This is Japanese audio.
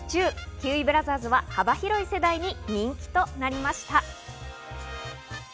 キウイブラザーズは幅広い世代に人気となりました。